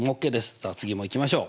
さあ次もいきましょう。